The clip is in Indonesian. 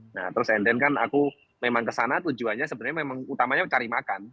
nah terus enden kan aku memang ke sana tujuannya sebenarnya memang utamanya cari makan